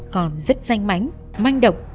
còn rất xanh mánh manh động